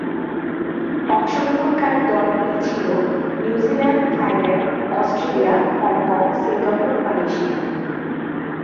অংশগ্রহণকারী দলগুলি ছিল New Zealand, Thailand, Australia, Hong Kong, Singapore, Malaysia.